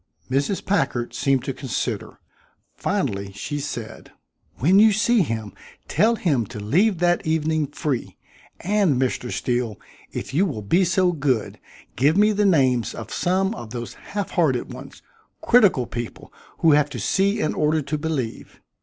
Mrs. Packard seemed to consider. Finally she said: "When you see him, tell him to leave that evening free. And, Mr. Steele, if you will be so good, give me the names of some of those halfhearted ones critical people who have to see in order to believe.